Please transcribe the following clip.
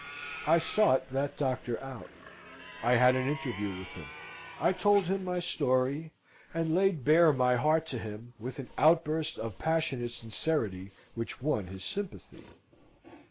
I sought that doctor out. I had an interview with him. I told my story, and laid bare my heart to him, with an outburst of passionate sincerity, which won his sympathy.